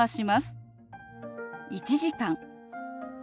「１時間」。